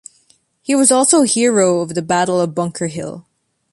He was also a hero of the Battle of Bunker Hill.